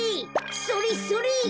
それそれ！